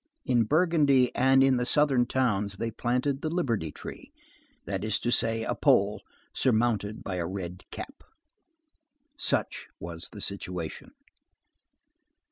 In Burgundy and in the southern towns they planted the liberty tree; that is to say, a pole surmounted by a red cap. Such was the situation.